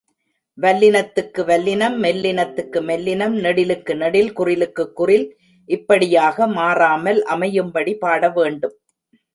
வல்லினத்துக்கு வல்லினம், மெல்லினத்துக்கு மெல்லினம், நெடிலுக்கு நெடில், குறிலுக்குக் குறில், இப்படியாக மாறாமல் அமையும்படி பாட வேண்டும்.